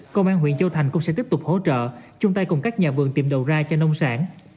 công an huyện châu thành cũng sẽ tiếp tục hỗ trợ chung tay cùng các nhà vườn tìm đầu ra cho nông sản